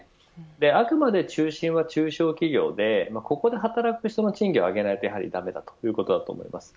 あくまで中心は中小企業でここで働く人の賃金を上げないとやはりだめだということだと思います。